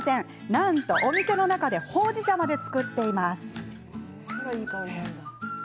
なんと、お店の中でほうじ茶まで作っているんです。